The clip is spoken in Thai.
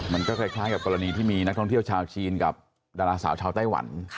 มันก็คล้ายกับกรณีที่มีนักท่องเที่ยวชาวจีนกับดาราสาวชาวไต้หวัน